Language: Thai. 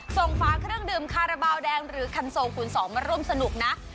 ฝาเครื่องดื่มคาราบาลแดงหรือคันโซคูณ๒มาร่วมสนุกนะ